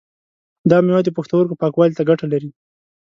دا مېوه د پښتورګو پاکوالی ته ګټه لري.